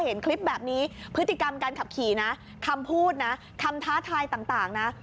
เห็นคลิปแบบนี้พฤติกรรมการขับขี่นะคำพูดนะคำท้าทายต่างนะ